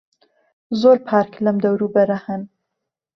زۆر پارک لەم دەوروبەرە هەن.